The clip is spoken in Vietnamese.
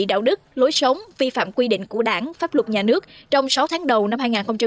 đạo đức lối sống vi phạm quy định của đảng pháp luật nhà nước trong sáu tháng đầu năm hai nghìn hai mươi